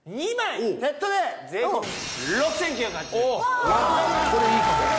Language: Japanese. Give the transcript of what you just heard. あぁこれいいかも。